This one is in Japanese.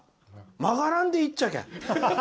曲がらんでいいっちゃけん。